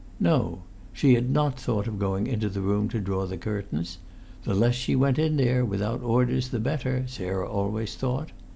No; she had not thought of going into the room to draw the curtains. The less she went in there, without orders, the better, Sarah always thought.